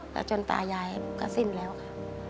แล้วจนตายายก็สิ้นแล้วค่ะ